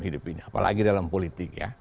hidup ini apalagi dalam politik ya